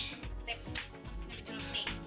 nih harusnya ambil dulu